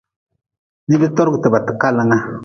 Nidtorgtiba kalanga.